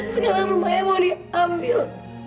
sekarang rumahnya mau diambil